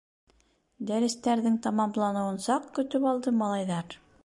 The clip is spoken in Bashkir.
Дәрестәрҙең тамамланыуын саҡ көтөп алды малайҙар.